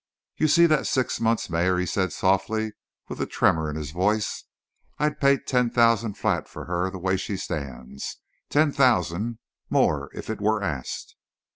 "You see that six months' mare?" he said softly, with a tremor in his voice. "I'd pay ten thousand flat for her the way she stands. Ten thousand more if it were asked!"